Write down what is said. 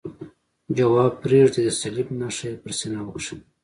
ځواب پرېږدئ، د صلیب نښه یې پر سینه وکښل.